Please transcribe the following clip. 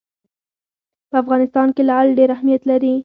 په افغانستان کې لعل ډېر اهمیت لري.